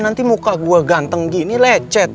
nanti muka gue ganteng gini lecet